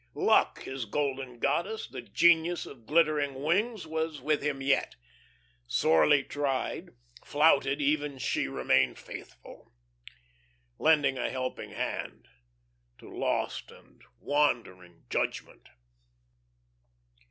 Luck, his golden goddess, the genius of glittering wings, was with him yet. Sorely tried, flouted even she yet remained faithful, lending a helping hand to lost and wandering judgment.